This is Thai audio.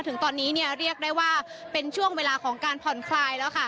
ถึงตอนนี้เนี่ยเรียกได้ว่าเป็นช่วงเวลาของการผ่อนคลายแล้วค่ะ